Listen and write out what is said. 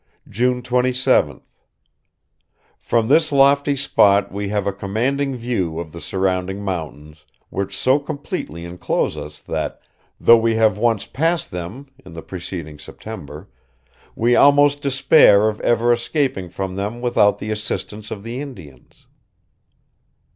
"June 27th.... From this lofty spot we have a commanding view of the surrounding mountains, which so completely enclose us that, though we have once passed them [in the preceding September], we almost despair of ever escaping from them without the assistance of the Indians....